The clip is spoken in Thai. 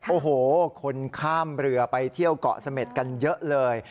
โอ้โหคนข้ามเรือไปเที่ยวเกาะเสม็ดกันเยอะเลย